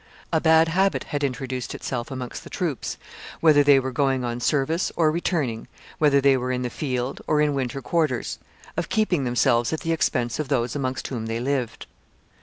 A bad habit had introduced itself amongst the troops, whether they were going on service or returning, whether they were in the field or in winter quarters, of keeping themselves at the expense of those amongst whom they lived.